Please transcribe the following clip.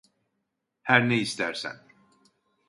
Her ne istersen.